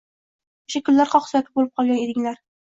O‘sha kunlari qoq suyak bo‘lib qolgan edinglar